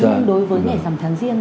và đối với ngày dằn tháng riêng